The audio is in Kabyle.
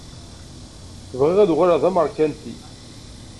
Bɣiɣ ad uɣaleɣ d ameṛkanti.